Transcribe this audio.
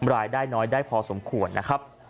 รายได้น้อยได้พอสมควรนะครับ